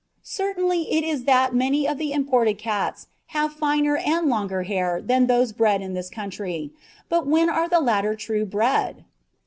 Certain it is that many of the imported cats have finer and longer hair than those bred in this country; but when are the latter true bred?